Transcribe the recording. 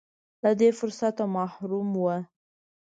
له دې فرصته محروم و.